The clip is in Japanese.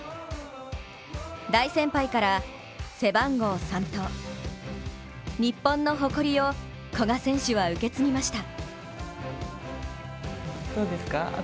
大先輩から、背番号３と日本の誇りを、古賀選手は受け継ぎました。